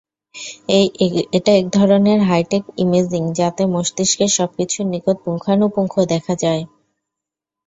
এটা একধরনের high tech imaging যাতে মস্তিষ্কের সবকিছুর নিখুঁত পুঙ্খানুপুঙ্খ দেখা যায়।